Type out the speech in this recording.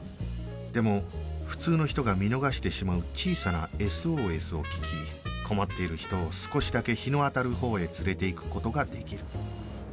でも普通の人が見逃してしまう小さな ＳＯＳ を聞き困っている人を少しだけ日の当たるほうへ連れていく事ができる